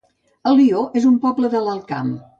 Alió es un poble de l'Alt Camp